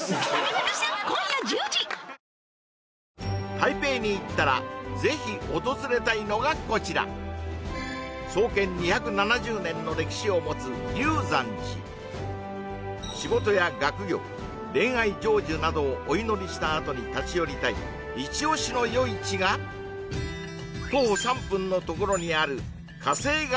台北に行ったらぜひ訪れたいのがこちら創建２７０年の歴史を持つ龍山寺仕事や学業恋愛成就などをお祈りしたあとに立ち寄りたいイチオシの夜市が徒歩３分の所にある華西街